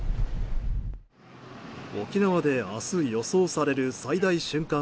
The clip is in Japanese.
沖縄で、明日予想される最大瞬間